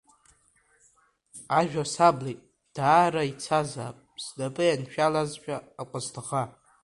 Ажәа саблит, даара ицазаап, снапы ианшәалазшәа акәасҭӷа…